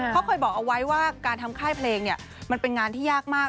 เขาเคยบอกเอาไว้ว่าการทำค่ายเพลงเนี่ยมันเป็นงานที่ยากมาก